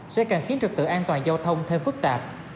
sẽ càng khiến trực tự an toàn giao thông thêm phức tạp